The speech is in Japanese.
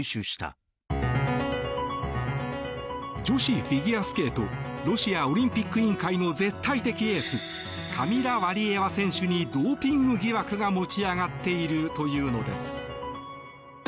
女子フィギュアスケートロシアオリンピック委員会の絶対的エースカミラ・ワリエワ選手にドーピング疑惑が持ち上がっているというのです。